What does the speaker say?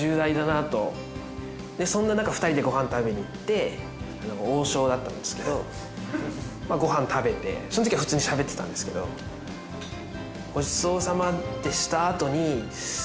そんな中２人でご飯食べに行って王将だったんですけどまあご飯食べてそん時は普通にしゃべってたんですけどごちそうさまってしたあとに。